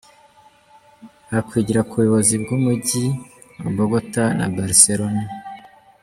Bakwigira ku buyobozi bw’umujyi wa Bogota na Barcelona.